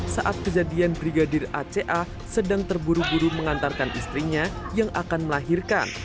saat kejadian brigadir aca sedang terburu buru mengantarkan istrinya yang akan melahirkan